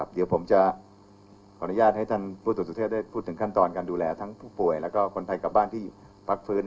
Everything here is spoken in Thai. เดี๋ยวผมจะขออนุญาตให้ท่านผู้ตรวจสุเทพได้พูดถึงขั้นตอนการดูแลทั้งผู้ป่วยแล้วก็คนไทยกลับบ้านที่พักฟื้น